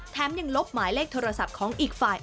ยังลบหมายเลขโทรศัพท์ของอีกฝ่าย